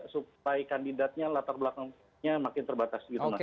supply kandidatnya latar belakangnya makin terbatas